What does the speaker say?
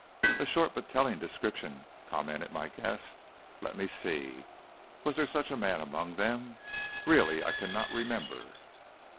"A short but telling description," commented my guest. "Let me see. Was there such a man among them? Really, I cannot remember."